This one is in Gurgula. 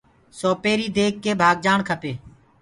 سوپيري ديک ڪي ڀآگجآڻ کپي۔